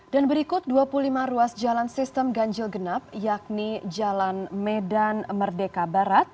dan berikut dua puluh lima ruas jalan sistem ganjil genap yakni jalan medan merdeka barat